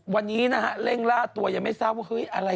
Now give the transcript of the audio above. วันนี้เร่งล่าตัวยังไม่เศร้าว่าอะไร